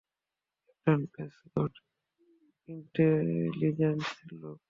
Captain Prescott, ইন্টেলিজেন্সের লোক।